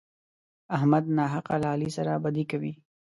احمد ناحقه له علي سره بدي کوي.